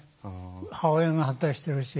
母親が反対してるし。